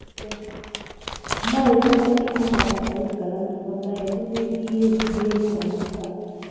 Mahəlfa net ɗyi nakaɗa tayəckal dəpaŋka, ya zət necki vi əlma vanəska.